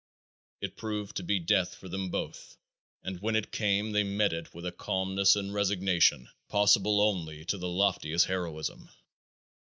It proved to be death for them both and when it came they met it with a calmness and resignation possible only to the loftiest heroism.